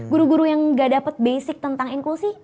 guru guru yang gak dapat basic tentang inklusi